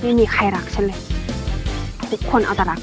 มีบริษัทที่กรุงเทพส่งเมลมาเสนองานที่ทำการตลาดนี้